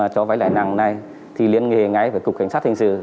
cho vay lãi năng này thì liên hệ ngay với cục cảnh sát hệ sự